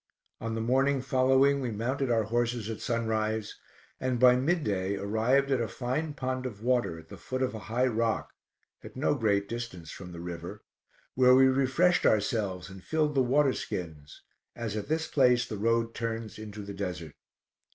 On the morning following we mounted our horses at sunrise, and by mid day arrived at a fine pond of water at the foot of a high rock, at no great distance from the river, where we refreshed ourselves and filled the water skins, as at this place the roads turns into the Desert.